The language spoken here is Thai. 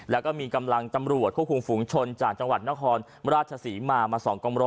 แล้วก็มีกำลังตำรวจควบคุมฝูงชนจากจังหวัดนครราชศรีมามา๒กองร้อย